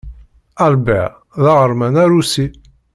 Albert d aɣerman arusi.